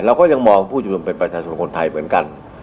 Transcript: ก็ยังมองผู้ชุมนุมเป็นประชาชนคนไทยเหมือนกัน